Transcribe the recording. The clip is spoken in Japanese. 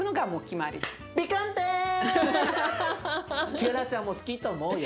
キアラちゃんも好きと思うよ。